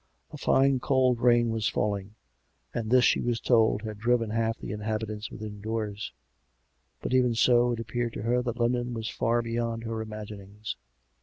A fine, cold rain was falling, and this, she was told, had driven half the inhabitants within doors; but even so, it appeared to her that London was far beyond her imaginings.